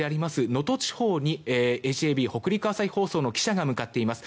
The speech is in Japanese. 能登地方にＨＡＢ北陸朝日放送の記者が向かっています。